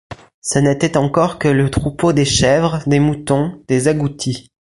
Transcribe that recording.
Ce n’était encore que le troupeau des chèvres, des moutons, des agoutis.